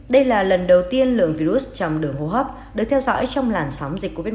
đây là lần đầu tiên lượng virus trong đường hô hấp được theo dõi trong làn sóng dịch covid một mươi